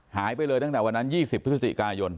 หายไปเลยตั้งแต่วันนั้น๒๐พฤศจิกายน